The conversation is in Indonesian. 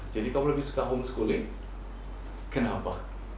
jadi kamu lebih suka homeschooling kenapa